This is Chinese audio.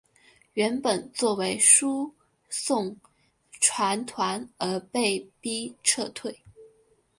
原本作为输送船团而被逼撤退。